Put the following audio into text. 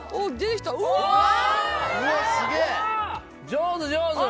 上手上手。